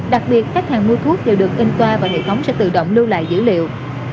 đặc biệt khách hàng mua thuốc đều được in qua và hệ thống sẽ tự động lưu lại dữ liệu